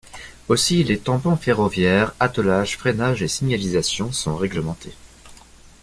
Aussi les tampons ferroviaires, attelages, freinage et signalisation sont règlementés.